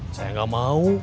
saya gak mau